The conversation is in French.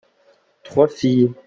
trois filles.